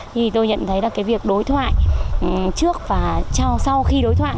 thì tôi nhận thấy việc đối thoại trước và sau khi đối thoại